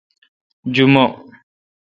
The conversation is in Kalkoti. جمعہ